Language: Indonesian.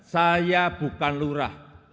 saya bukan lurah